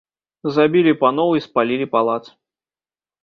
Забілі паноў і спалілі палац.